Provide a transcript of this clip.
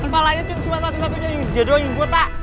malahnya cuma satu satunya yg dia doang yg bota